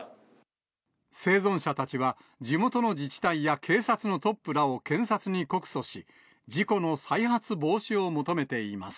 生存者たちは、地元の自治体や警察のトップらを検察に告訴し、事故の再発防止を求めています。